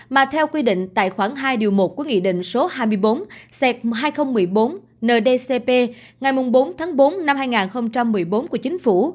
mà theo quy định tài khoản hai điều một của nghị định số hai mươi bốn hai nghìn một mươi bốn ndcp ngày bốn tháng bốn năm hai nghìn một mươi bốn của chính phủ